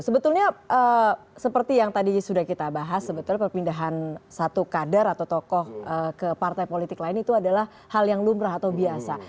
sebetulnya seperti yang tadi sudah kita bahas sebetulnya perpindahan satu kader atau tokoh ke partai politik lain itu adalah hal yang lumrah atau biasa